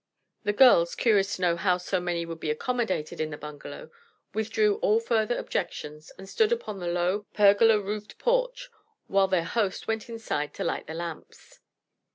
The girls, curious to know how so many could be accommodated in the bungalow, withdrew all further objections and stood upon the low, pergola roofed porch while their host went inside to light the lamps.